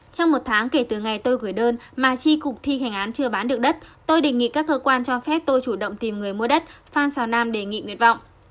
trong một tháng kể từ ngày tôi gửi đơn mà chi cục thi hành án chưa bán được đất tôi đề nghị các cơ quan cho phép tôi chủ động tìm người mua đất phan xào nam đề nghị nguyện vọng